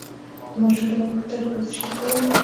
د ماشوم د غوږ د درد لپاره څه شی وکاروم؟